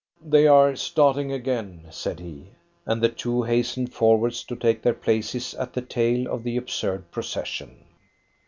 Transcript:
"They are starting again," said he, and the two hastened forwards to take their places at the tail of the absurd procession.